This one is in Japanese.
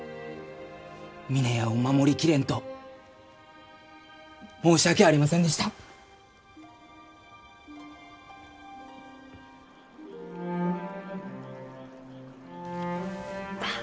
峰屋を守り切れんと申し訳ありませんでした。バア。